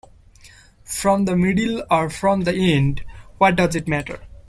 From the middle or from the end — what does it matter?